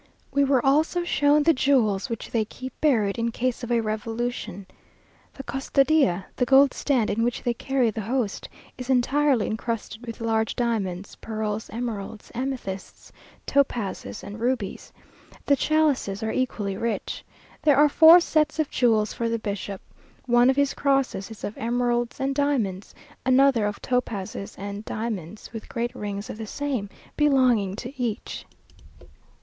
We were also shown the jewels, which they keep buried, in case of a revolution. The Custodía, the gold stand in which they carry the Host, is entirely encrusted with large diamonds, pearls, emeralds, amethysts, topazes, and rubies. The chalices are equally rich. There are four sets of jewels for the bishop. One of his crosses is of emeralds and diamonds; another of topazes and diamonds, with great rings of the same, belonging to each.